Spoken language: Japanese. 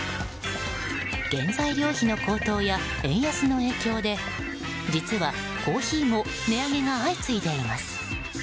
原材料費の高騰や円安の影響で実はコーヒーも値上げが相次いでいます。